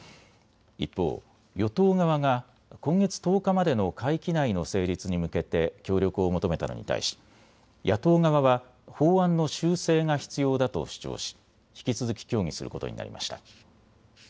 一方、与党側が今月１０日までの会期内の成立に向けて協力を求めたのに対し野党側は法案の修正が必要だと主張し、引き続き協議することになりました。